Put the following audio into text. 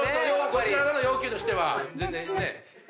こちら側の要求としては。